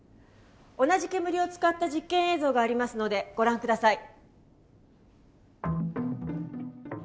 同じ煙を使った実験映像がありますのでご覧下さい。